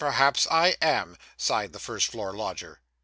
Perhaps I am,' sighed the first floor lodger.